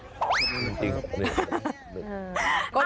เป็นจริงครับ